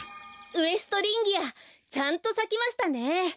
ウエストリンギアちゃんとさきましたね。